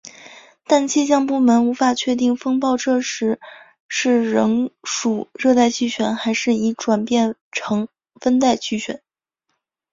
但气象部门无法确定风暴这时是仍属热带气旋还是已转变成温带气旋。